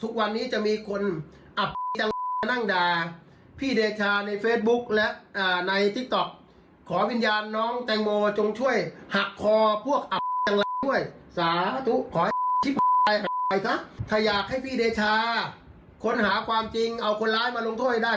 ใครที่ชอบลีลาแบบอาจารย์เนตชาก็ช่วยกันแชร์ไป